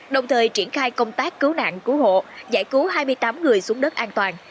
đồng thời triển khai công tác cứu nạn cứu hộ giải cứu hai mươi tám người xuống đất an toàn